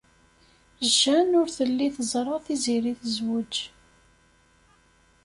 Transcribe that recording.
Jane ur telli teẓra Tiziri tezwej.